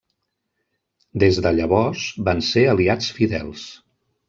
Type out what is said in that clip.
Des de llavors van ser aliats fidels.